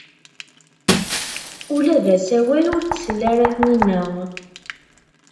Ula d asawal ur t-tli ara Taninna.